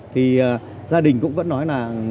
thì gia đình cũng vẫn nói là